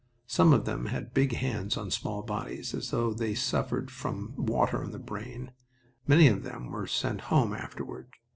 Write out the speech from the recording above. Some of them had big heads on small bodies, as though they suffered from water on the brain... Many of them were sent home afterward.